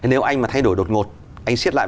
nếu anh mà thay đổi đột ngột anh xiết lại